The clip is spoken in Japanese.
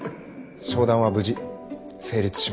商談は無事成立しました。